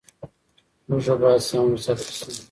هوږه باید سم وساتل شي.